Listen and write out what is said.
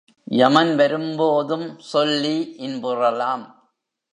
யமன் வரும்போதும் சொல்லி இன்புறலாம்.